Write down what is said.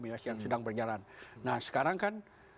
yang sedang berjalan nah sekarang kan